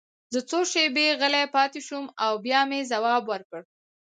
زه څو شېبې غلی پاتې شوم او بیا مې ځواب ورکړ